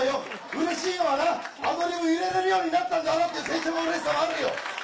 うれしいのはなアドリブ入れられるようになったんだなっていう成長のうれしさもあるよ。